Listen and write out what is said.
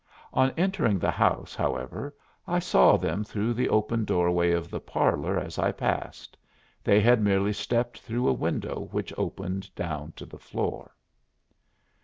On entering the house, however, I saw them through the open doorway of the parlor as I passed; they had merely stepped through a window which opened down to the floor.